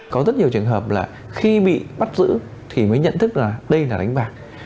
có rất nhiều trường hợp là khi bị bắt giữ thì mới nhận thức là đây là đánh bạc